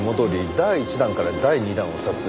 第１弾から第２弾を撮影。